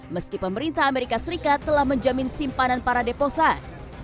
meski pemerintah amerika serikat telah menjamin simpanan para deposan